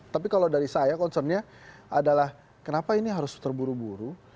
tapi kalau dari saya concernnya adalah kenapa ini harus terburu buru